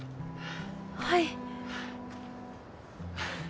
はい。